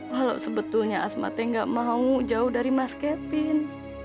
walau sebetulnya asmatnya gak mau jauh dari mas kevin